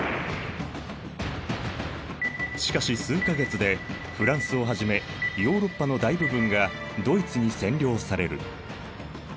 しかし数か月でフランスをはじめヨーロッパの大部分がドイツに占領される。